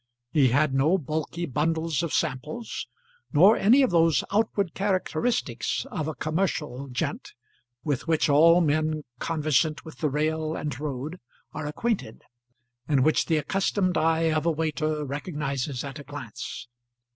He had no bulky bundles of samples, nor any of those outward characteristics of a commercial "gent" with which all men conversant with the rail and road are acquainted, and which the accustomed eye of a waiter recognises at a glance.